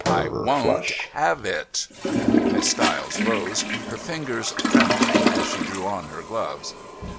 I won't have it " Miss Stiles rose, her fingers trembling as she drew on her gloves.